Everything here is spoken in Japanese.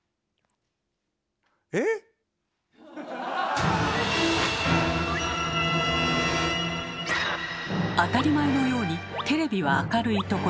えっ⁉当たり前のようにテレビは明るい所